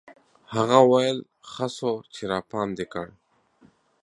هغه ويل ښه سو چې راپام دي کړ.